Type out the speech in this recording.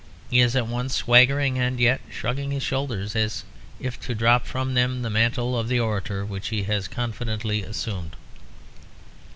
He is at once swaggering and yet shrugging his shoulders, as if to drop from them the mantle of the orator which he has confidently assumed.